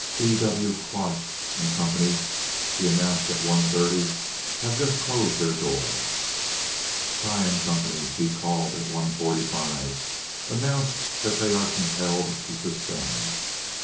"E. W. Clark & Company," he announced, at one thirty, "have just closed their doors." "Tighe & Company," he called at one forty five, "announce that they are compelled to suspend."